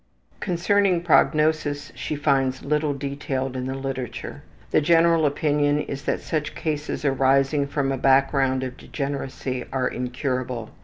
Concerning prognosis she finds little detailed in the literature. The general opinion is that such cases arising from a background of degeneracy are incurable.